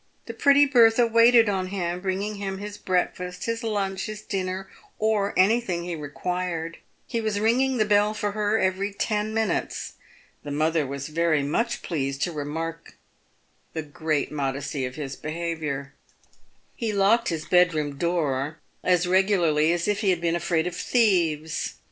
The pretty Bertha waited on him, bringing him his breakfast, his lunch, his dinner, or anything he required. He was ringing the bell for her every ten minutes. The mother was very much pleased to remark the great modesty of his behaviour. He locked his bedroom door as regularly as if he had been afraid of thieves.